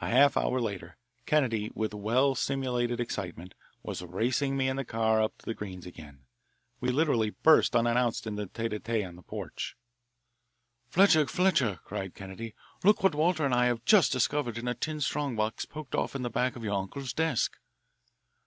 A half hour later, Kennedy, with well simulated excitement, was racing me in the car up to the Greenes' again. We literally burst unannounced into the tete a tete on the porch. "Fletcher, Fletcher," cried Kennedy, "look what Walter and I have just discovered in a tin strong box poked off in the back of your uncle's desk!"